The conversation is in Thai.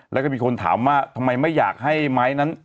แล้วก็มีคนถามว่าทำไมไม่อยากให้ไม้นั้น